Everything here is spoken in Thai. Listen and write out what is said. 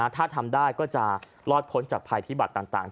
ถ้าทำได้ลอดผลจากภัยภิบัตรต่าง